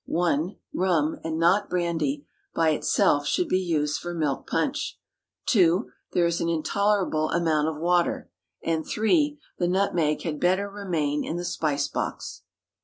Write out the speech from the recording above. (1) Rum, and not brandy (by itself), should be used for milk punch. (2) There is an "intolerable amount" of water; and (3) the nutmeg had better remain in the spice box.